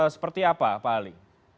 seperti apa pak ali